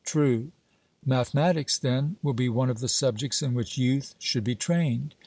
'True.' Mathematics, then, will be one of the subjects in which youth should be trained.